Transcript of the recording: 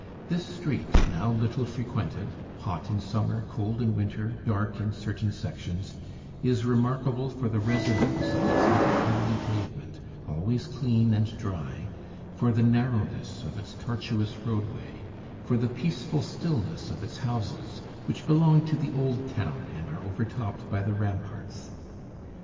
This street now little frequented, hot in summer, cold in winter, dark in certain sections is remarkable for the resonance of its little pebbly pavement, always clean and dry, for the narrowness of its tortuous road way, for the peaceful stillness of its houses, which belong to the Old town and are over topped by the ramparts.